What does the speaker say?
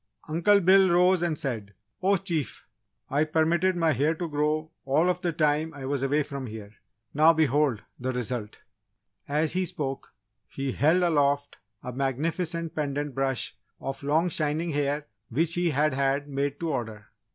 Uncle Bill rose and said: "Oh Chief, I permitted my hair to grow all of the time I was away from here. Now, behold, the result!" As he spoke, he held aloft a magnificent pendant brush of long shining hair which he had had made to order.